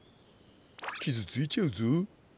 傷ついちゃうぞ。